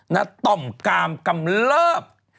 น่าต่อมกามกำเลิภ